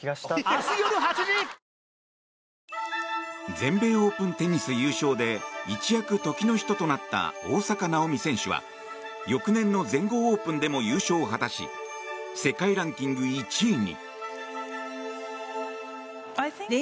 全米オープンテニス優勝で一躍時の人となった大坂なおみ選手は翌年の全豪オープンでも優勝を果たし世界ランキング１位に。